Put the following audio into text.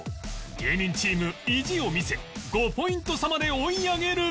芸人チーム意地を見せ５ポイント差まで追い上げる！